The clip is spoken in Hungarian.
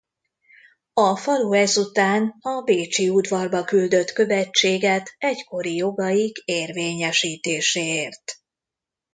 A falu ezután a bécsi udvarba küldött követséget egykori jogaik érvényesítéséért.